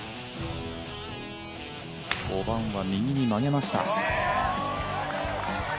５番は右に曲げました。